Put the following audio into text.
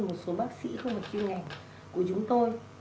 một số bác sĩ không phải chuyên ngành của chúng tôi